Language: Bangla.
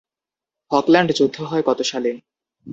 ফকল্যান্ড যুদ্ধ হয় কত সালে?